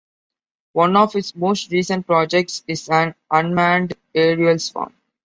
One of its most recent projects is an unmanned aerial 'swarm'.